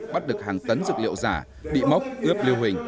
bắt được hàng tấn dược liệu giả bị mốc ướp lưu hình